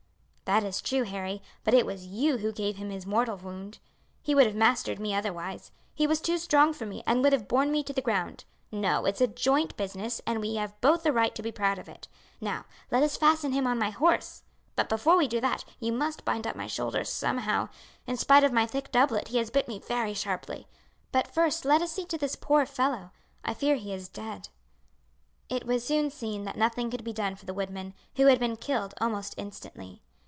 "That is true, Harry, but it was you who gave him his mortal wound. He would have mastered me otherwise. He was too strong for me, and would have borne me to the ground. No, it's a joint business, and we have both a right to be proud of it. Now let us fasten him on my horse; but before we do that, you must bind up my shoulder somehow. In spite of my thick doublet he has bit me very sharply. But first let us see to this poor fellow. I fear he is dead." It was soon seen that nothing could be done for the woodman, who had been killed almost instantly.